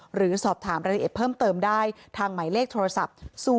หรือสอบถามรายละเอียดเพิ่มเติมได้ทางไหมเลขโทรศัพท์๐๘๙๙๙๔๖๖๕๖